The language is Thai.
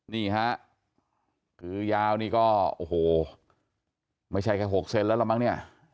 นี่ฮะคือยาวนี่ก็โอ้โหไม่ใช่แค่๖เซนแล้วละมั้งเนี่ย